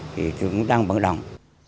thì cũng đang băng động